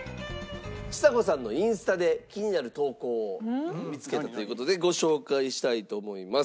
ちさ子さんのインスタで気になる投稿を見つけたという事でご紹介したいと思います。